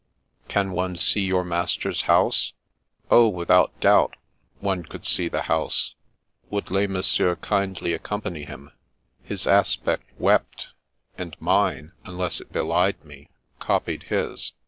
? Can one see your master's house? Oh, without doubt, one could see the house. Would les messieurs kindly accompany him? His aspect wept, and mine (unless it belied me) copied his.